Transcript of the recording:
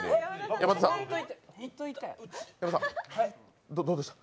山田さんどうでした？